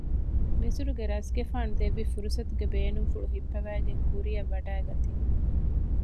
މިސުރުގެ ރަސްގެފާނު ދެއްވި ފުރުސަތުގެ ބޭނުންފުޅު ހިއްޕަވައިގެން ކުރިއަށް ވަޑައިގަތީ